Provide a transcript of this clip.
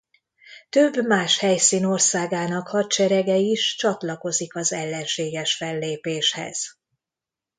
Több más helyszín országának hadserege is csatlakozik az ellenséges fellépéshez.